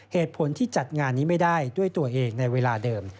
เหตุผลที่จัดงานนี้ไม่ได้ด้วยตัวเองในเวลาเดิม